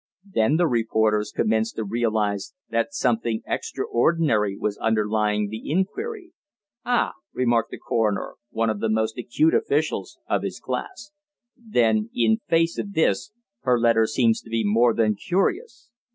Then the reporters commenced to realize that something extraordinary was underlying the inquiry. "Ah!" remarked the coroner, one of the most acute officials of his class. "Then, in face of this, her letter seems to be more than curious.